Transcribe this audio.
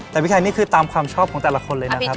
แต่พี่ชัยนี่คือตามความชอบของแต่ละคนเลยนะครับ